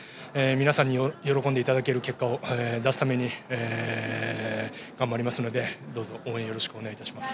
皆さんに喜んでいただける結果を出すために頑張りますので、どうぞ応援よろしくお願いいたします。